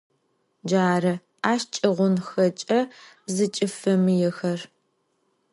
Джары ащ кӏыгъунхэкӏэ зыкӏыфэмыехэр.